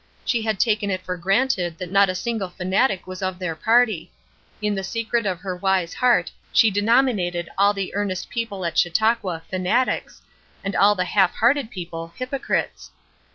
She had taken it for granted that not a single fanatic was of their party. In the secret of her wise heart she denominated all the earnest people at Chautauqua fanatics, and all the half hearted people hypocrites.